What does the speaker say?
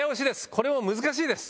これも難しいです。